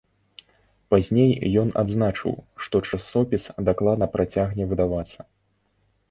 Пазней ён адзначыў, што часопіс дакладна працягне выдавацца.